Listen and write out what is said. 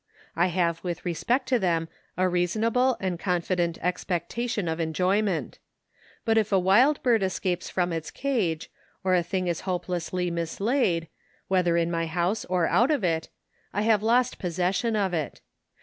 I have with respect to them a reasonable and confident expectation of enjoyment. But if a wild bird escapes from its cage, or a thing is hopelessly mislaid, whether in my house or out of it, I have lost posses sion of it.